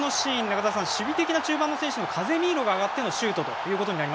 中澤さん、守備的な中盤の選手のカゼミーロが上がってのシュート